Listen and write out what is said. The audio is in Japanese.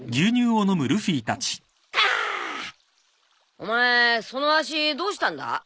お前その脚どうしたんだ？